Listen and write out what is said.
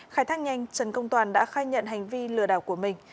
khai thác nhanh trần công toàn đã khai nhận hành vi lừa đảo của mình